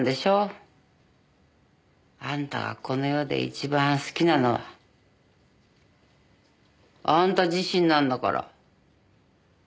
あんたがこの世で一番好きなのはあんた自身なんだから。